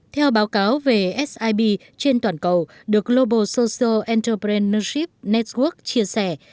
theo báo cáo về sib trên toàn cầu được global social entrepreneurship network chia sẻ